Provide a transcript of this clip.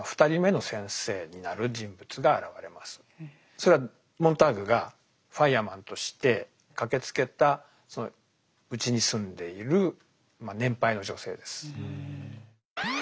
それはモンターグがファイアマンとして駆けつけたそのうちに住んでいる年配の女性です。